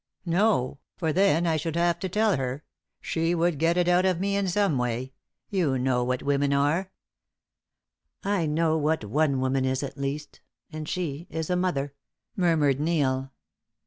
"No; for then I should have to tell her she would get it out of me in some way. You know what women are." "I know what one woman is, at least; and she is a mother," murmured Neil.